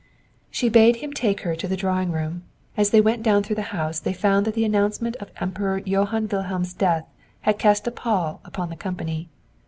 She bade him take her to the drawing room. As they went down through the house they found that the announcement of the Emperor Johann Wilhelm's death had cast a pall upon the company.